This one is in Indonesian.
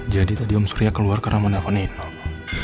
jadi tadi om surya keluar karena menelponin om